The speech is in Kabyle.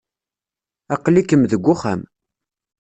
Aql-ikem deg uxxam.